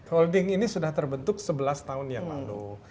holding ini sudah terbentuk sebelas tahun yang lalu